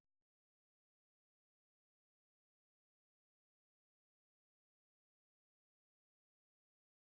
nah itu kan laporannya ada